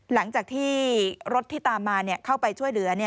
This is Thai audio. หลังจากที่รถที่ตามมาเข้าไปช่วยเหลือ